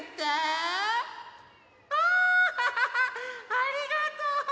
ありがとう！